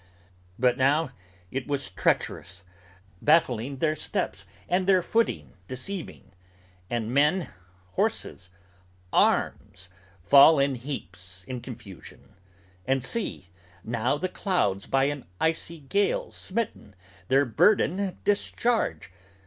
But now, it was treacherous, baffling their steps and their footing Deceiving; and men, horses, arms, fall in heaps, in confusion. And see! Now the clouds, by an icy gale smitten, their burden Discharge!